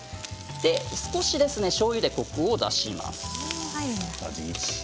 少ししょうゆでコクを出します。